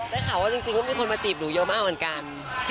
ได้ข่าวว่าจริงก็มีคนมาจีบหนูเยอะมากเหมือนกัน